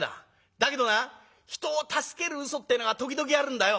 だけどな人を助けるうそってえのが時々あるんだよ。